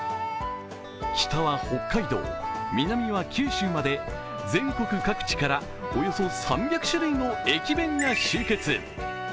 北は北海道、南は九州まで全国各地からおよそ３００種類の駅弁が集結。